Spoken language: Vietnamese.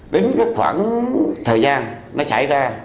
đến cái khoảng thời gian nó xảy ra